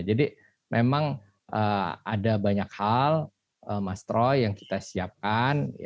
jadi memang ada banyak hal mas troy yang kita siapkan